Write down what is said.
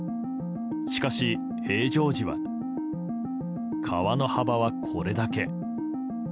しかし、平常時は川の幅はこれだけ。